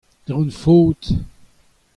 dre hon faot.